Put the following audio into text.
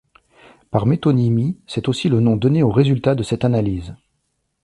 Par métonymie, c'est aussi le nom donné au résultat de cette analyse.